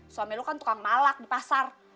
suami lu kan tukang malak di pasar